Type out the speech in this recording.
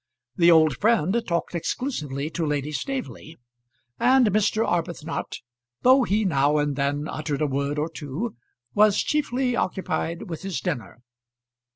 The old friend talked exclusively to Lady Staveley, and Mr. Arbuthnot, though he now and then uttered a word or two, was chiefly occupied with his dinner.